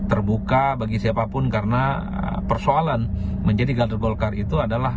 jadi terbuka bagi siapapun karena persoalan menjadi kader golkar itu adalah